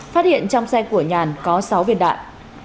phát hiện trong xe của nhàn có sáu viên đạn